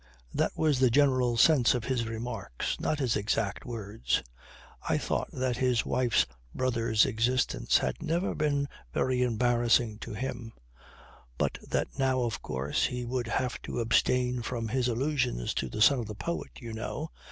That was the general sense of his remarks, not his exact words. I thought that his wife's brother's existence had never been very embarrassing to him but that now of course he would have to abstain from his allusions to the "son of the poet you know."